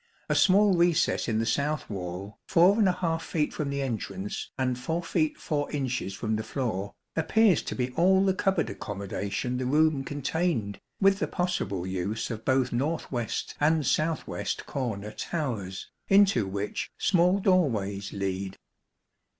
A small recess in the south wall, 4 feet from the entrance, and 4 feet 4 inches from the floor, appears to be all the cupboard accommodation the room contained, with the possible use of both north west and south west corner towers, into which small doorways lead.